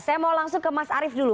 saya mau langsung ke mas arief dulu